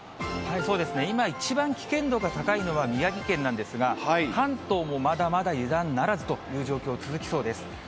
今、一番危険度が高いのは宮城県なんですが、関東もまだまだ油断ならずという状況続きそうです。